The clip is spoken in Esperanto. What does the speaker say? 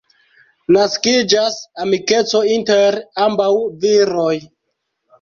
Naskiĝas amikeco inter ambaŭ viroj.